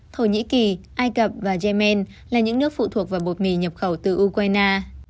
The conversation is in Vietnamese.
thổ nhĩ kỳ ai cập và yemen là những nước phụ thuộc vào bột mì nhập khẩu từ ukraine